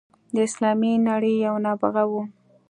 د اسلامي نړۍ یو نابغه وو.